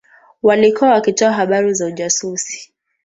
Walikuwa wakitoa habari za ujasusi